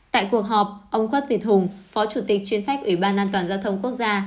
tại cuộc họp ông quất việt hùng phó chủ tịch chuyên trách ủy ban an toàn giao thông quốc gia